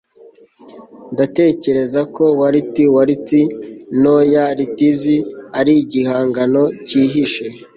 Ndatekereza ko Waltz Waltz No ya Liszt ari igihangano cyihishe